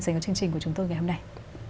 dành cho chương trình của chúng tôi ngày hôm nay